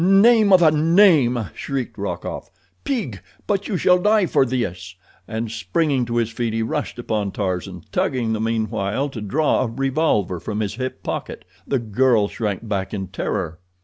"Name of a name!" shrieked Rokoff. "Pig, but you shall die for this," and, springing to his feet, he rushed upon Tarzan, tugging the meanwhile to draw a revolver from his hip pocket. The girl shrank back in terror.